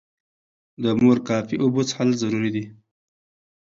د مور کافي اوبه څښل ضروري دي.